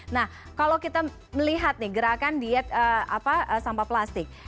nah kalau kita melihat nih gerakan diet sampah plastik